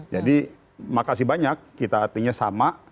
makasih banyak kita artinya sama